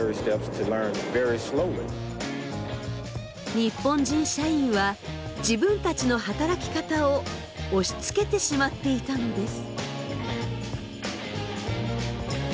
日本人社員は自分たちの働き方を押しつけてしまっていたのです。